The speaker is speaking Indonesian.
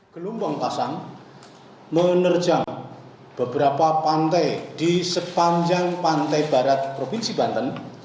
gelombang pasang menerjang beberapa pantai di sepanjang pantai barat provinsi banten